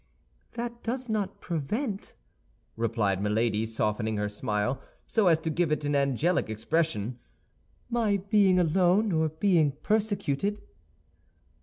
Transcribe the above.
"That does not prevent," replied Milady, softening her smile so as to give it an angelic expression, "my being alone or being persecuted."